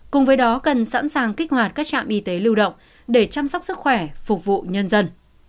cùng với đó cần sẵn sàng kích hoạt các trạm y tế lưu động để chăm sóc sức khỏe phục vụ nhân dân